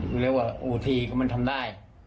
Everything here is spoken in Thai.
อูทีก็มันทำได้